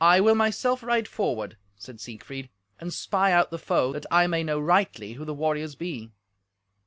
"I will myself ride forward," said Siegfried, "and spy out the foe, that I may know rightly who the warriors be."